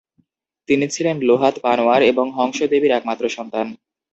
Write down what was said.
তিনি ছিলেন লোহাত পানওয়ার এবং হংস দেবীর একমাত্র সন্তান।